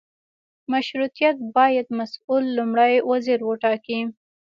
مشروطیت باید مسوول لومړی وزیر وټاکي.